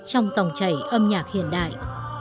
trong dòng chảy âm nhạc hiện đại